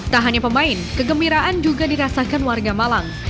tak hanya pemain kegembiraan juga dirasakan warga malang